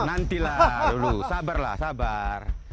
nantilah dulu sabar lah sabar